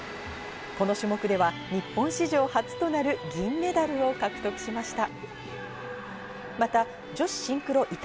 この種目では日本史上初となる銀メダルを獲得しました。